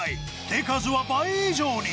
手数は倍以上に。